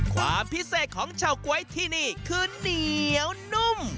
ความพิเศษของเฉาก๊วยที่นี่คือเหนียวนุ่ม